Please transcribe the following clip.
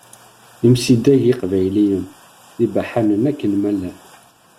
Imsidag iqbayliyen d ibaḥanen akken ma llan.